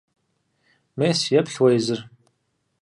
Мес, еплъ уэ езыр!